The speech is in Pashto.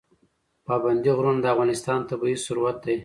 پابندی غرونه د افغانستان طبعي ثروت دی.